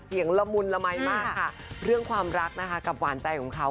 ละมุนละมัยมากค่ะเรื่องความรักนะคะกับหวานใจของเขา